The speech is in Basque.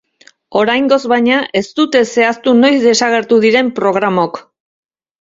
Oraingoz, baina, ez dute zehaztu noiz desagertu diren programok.